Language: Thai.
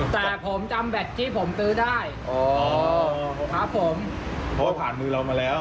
แต่ผมจำแบตที่ผมซื้อได้อ๋อครับผมเพราะว่าผ่านมือเรามาแล้ว